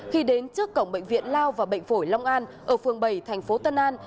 khi đến trước cổng bệnh viện lao và bệnh phổi long an ở phường bảy tp tân an